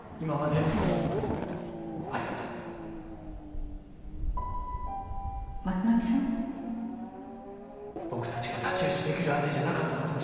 僕たちが太刀打ちできる相手じゃなかったのかもしれない。